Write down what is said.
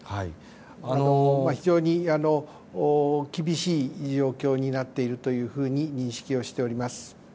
非常に厳しい状況になっていると認識をしております。